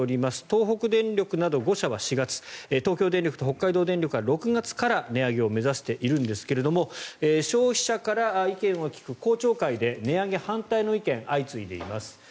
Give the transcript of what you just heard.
東北電力など５社は４月東京電力と北海道電力は６月から値上げを目指しているんですが消費者から意見を聞く公聴会で値上げ反対の意見が相次いでいます。